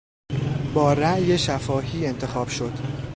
با رای شفاهی انتخاب شد.